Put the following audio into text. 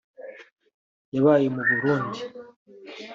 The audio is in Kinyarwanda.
yabaye mu Burundi